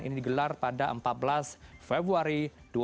ini digelar pada empat belas februari dua ribu dua puluh